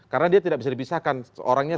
karena dia tidak bisa dipisahkan orangnya